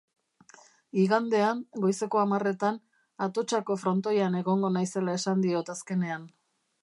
Igandean, goizeko hamarretan, Atotxako frontoian egongo naizela esan diot azkenean.